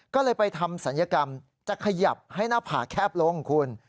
ก็เลยไปทำศัลยกรรมจะขยับให้หน้าผากแคบลงคุณ